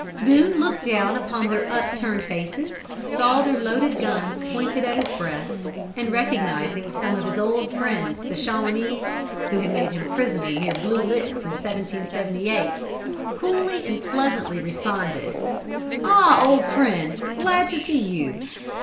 "Boone looked down upon their upturned faces, saw their loaded guns pointed at his breast, and recognising some of his old friends the Shawanese, who had made him prisoner near the Blue Licks in 1778, coolly and pleasantly responded: "'Ah, old friends, glad to see you.'